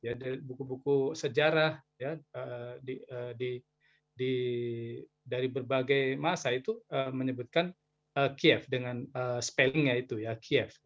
dari buku buku sejarah dari berbagai masa itu menyebutkan kiev dengan spelling nya itu ya kiev